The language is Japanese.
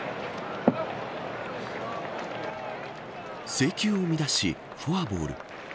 制球を乱し、フォアボール。